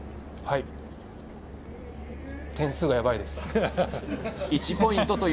点数がやばいです。